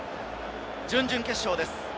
準々決勝です。